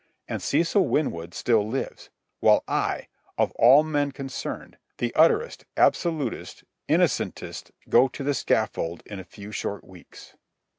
And Cecil Winwood still lives, while I, of all men concerned, the utterest, absolutist, innocentest, go to the scaffold in a few short weeks.